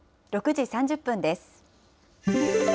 ６時３０分です。